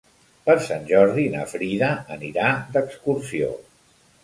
Per Sant Jordi na Frida anirà d'excursió.